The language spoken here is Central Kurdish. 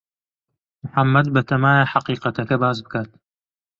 محەمەد بەتەمایە حەقیقەتەکە باس بکات.